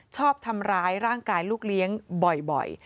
ชอบทำร้ายร่างกายลูกเลี้ยงบ่อย